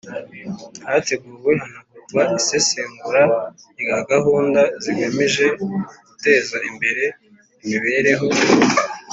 Hateguwe hanakorwa isesengura rya gahunda zigamije guteza imbere imibereho